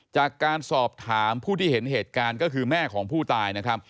จากการสอบถามผู้ที่เห็นเหตุการณ์ก็คือแม่ของผู้ตายนะครับ